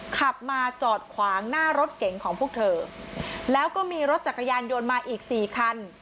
ขับมาจอดขวางหน้ารถเก๋งของพวกเธอแล้วก็มีรถจักรยานยนต์มาอีกสี่คัน